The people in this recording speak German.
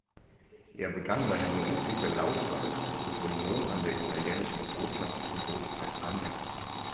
Er begann seine berufliche Laufbahn als Ökonom an der italienischen Botschaft in Großbritannien.